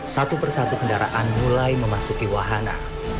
satu persatu kendaraan mulai memasuki wahana